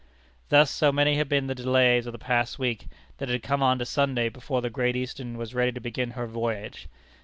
Thus, so many had been the delays of the past week, that it had come on to Sunday before the Great Eastern was ready to begin her voyage.